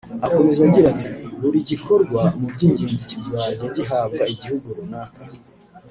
Akomeza agira ati “Buri gikorwa mu by’ingenzi kizajya gihabwa igihugu runaka